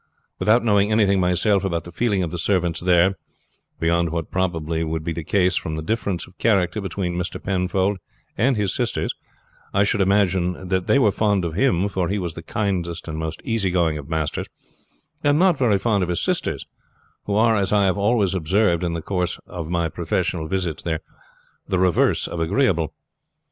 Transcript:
Without knowing anything myself about the feelings of the servants there, beyond what would probably be the case from the difference of character between Mr. Penfold and his sisters, I should imagine that they were fond of him, for he was the kindest and most easy going of masters, and not very fond of his sisters, who are, as I have always observed in the course of my professional visits there, the reverse of agreeable.